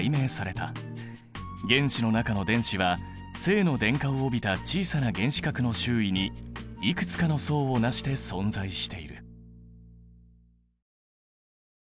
原子の中の電子は正の電荷を帯びた小さな原子核の周囲にいくつかの層をなして存在している。